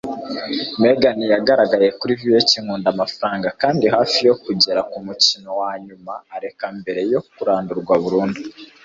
Megan yagaragaye kuri VH Nkunda Amafaranga kandi hafi yo kugera kumukino wanyuma, areka mbere yo kurandurwa burundu.